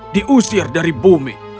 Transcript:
diusir dari bumi